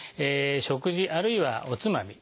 食事あるいはおつまみ。